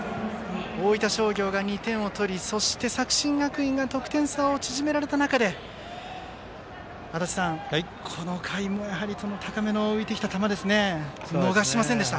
大分商業が２点を取り作新学院、得点差を縮められた中足達さん、この回も高めに浮いてきた球を逃しませんでした。